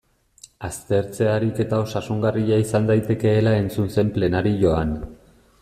Aztertzea ariketa osasungarria izan daitekeela entzun zen plenarioan.